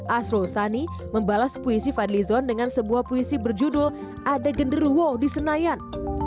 asro usani membalas puisi fadli zon dengan sebuah puisi berjudul ada genderuwo di senayan